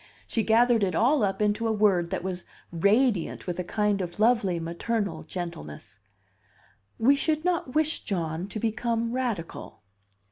She gathered it all up into a word that was radiant with a kind of lovely maternal gentleness: "We should not wish John to become radical."